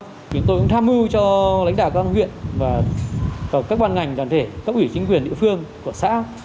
chúng tôi cũng tham mưu cho lãnh đạo các an huyện và các ban ngành đoàn thể các ủy chính quyền địa phương của xã